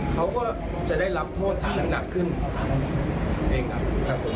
เขาก็จะได้รับโทษทางน้ำหนักขึ้นเองครับผม